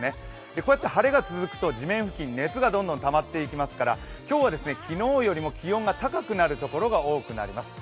こうやって晴れが続くと地面付近熱がどんどんたまっていきますから今日は昨日よりも気温が高くなるところが多くなります。